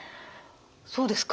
そうですか。